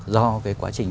do cái quá trình